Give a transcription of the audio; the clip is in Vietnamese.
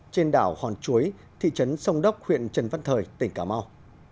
trên đảo hòn chuối thị trấn sông đốc huyện trần văn thời tỉnh cà mau